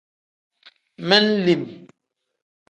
Men-lim.